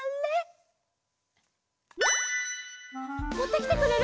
もってきてくれる？